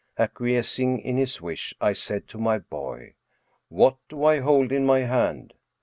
Acquiescing in his wish, I said to my boy, "What do I hold in my hand